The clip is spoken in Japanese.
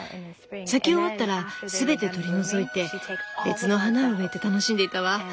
咲き終わったら全て取り除いて別の花を植えて楽しんでいたわ。